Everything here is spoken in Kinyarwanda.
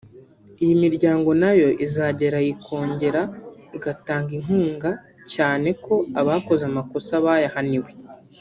iyi miryango nayo izageraho ikongera igatanga inkunga na cyane ko abakoze amakosa bayahaniwe